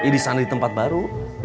di sana di tempat baru